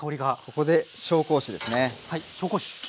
ここで紹興酒ですね。